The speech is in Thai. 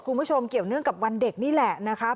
คุณผู้ชมเกี่ยวเนื่องกับวันเด็กนี่แหละนะคะ